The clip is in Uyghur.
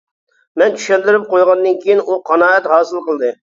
مەن چۈشەندۈرۈپ قويغاندىن كېيىن ئۇ قانائەت ھاسىل قىلدى.